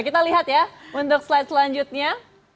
kita lihat ya untuk slide selanjutnya